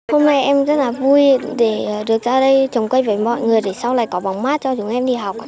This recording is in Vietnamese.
hôm nay em rất là vui để được ra đây trồng cây với mọi người để sau này có bóng mát cho chúng em đi học